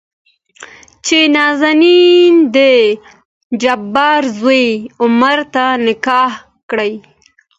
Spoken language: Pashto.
چې نازنين دجبار زوى عمر ته نکاح کړي.